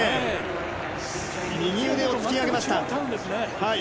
右腕を突き上げました。